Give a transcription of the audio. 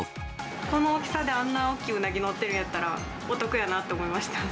この大きさであんな大きいうなぎ載ってるんやったら、お得やなって思いました。